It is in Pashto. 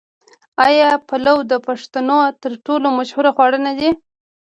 آیا پلو د پښتنو تر ټولو مشهور خواړه نه دي؟